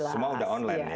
semua sudah online ya